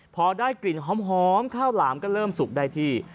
พอได้กลิ่นหอมข้าวหลามก็เริ่มสุกได้ที่